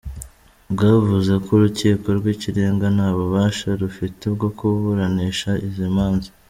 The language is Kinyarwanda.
Bwavuze ko urukiko rw’ikirenga nta bubasha rufite bwo kuburanisha izi manza.